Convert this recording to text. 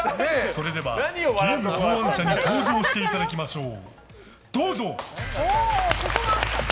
それではゲーム考案者に登場していただきましょう。